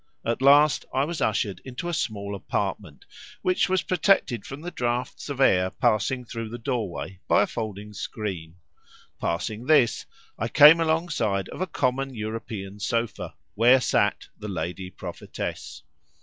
At last I was ushered into a small apartment, which was protected from the draughts of air passing through the doorway by a folding screen; passing this, I came alongside of a common European sofa, where sat the lady prophetess.